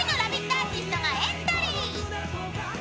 アーティストがエントリー。